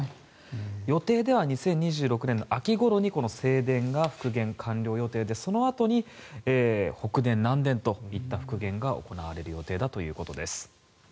予定では２０２６年の秋ごろに正殿が復元完了予定でそのあとに北殿、南殿の復元が行われるということです。